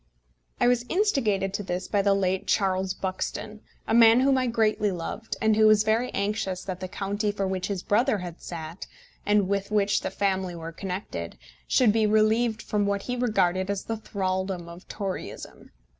I was instigated to this by the late Charles Buxton, a man whom I greatly loved, and who was very anxious that the county for which his brother had sat, and with which the family were connected, should be relieved from what he regarded as the thraldom of Toryism.